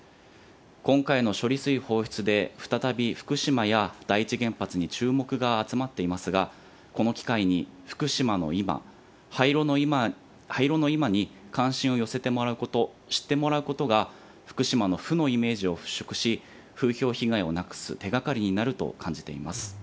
今回の処理水放出で、再び福島や第一原発に注目が集まっていますが、この機会に、福島の今、廃炉の今に関心を寄せてもらうこと、知ってもらうことが、福島の負のイメージを払拭し、風評被害をなくす手がかりになると感じています。